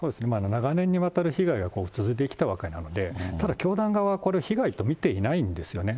長年にわたる被害が続いてきたわけなので、ただ教団側は、これを被害と見ていないんですよね。